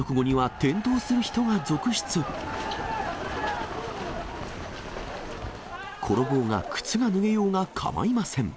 転ぼうが、靴が脱げようが構いません。